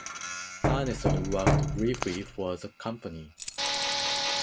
Arneson worked briefly for the company.